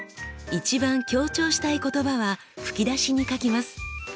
一番強調したい言葉は吹き出しに書きます。